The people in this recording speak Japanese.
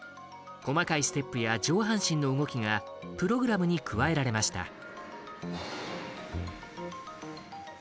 細かいステップや上半身の動きがプログラムに加えられました。